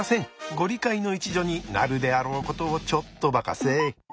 ご理解の一助になるであろうことをちょっとばかし。